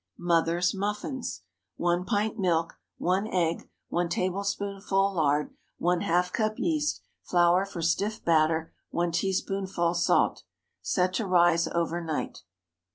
"MOTHER'S" MUFFINS. ✠ 1 pint milk. 1 egg. 1 tablespoonful lard. ½ cup yeast. Flour for stiff batter. 1 teaspoonful salt. Set to rise over night.